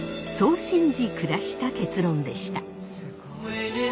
そう信じ下した結論でした。